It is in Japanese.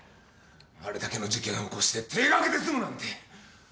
あれだけの事件を起こして停学で済むなんて。